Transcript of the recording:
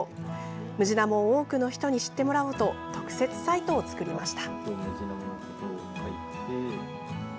ムジナモを多くの人に知ってもらおうと特設サイトを作りました。